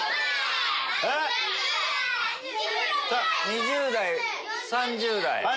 ２０代３０代。